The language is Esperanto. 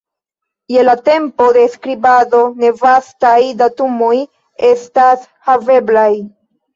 Je la tempo de skribado ne vastaj datumoj estas haveblaj.